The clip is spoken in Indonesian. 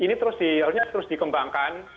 ini harusnya terus dikembangkan